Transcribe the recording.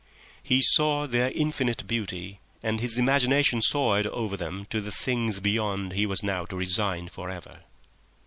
He saw their infinite beauty, and his imagination soared over them to the things beyond he was now to resign for ever!